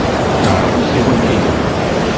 Teɛreq tsiwant-inu.